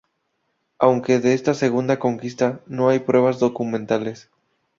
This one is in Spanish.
Aunque de esta segunda conquista no hay pruebas documentales.